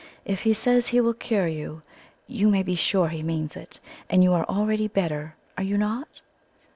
If he says he will cure you, you may be sure he means it. And you are already better, are you not?"